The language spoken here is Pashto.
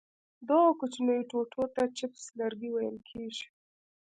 دغو کوچنیو ټوټو ته چپس لرګي ویل کېږي.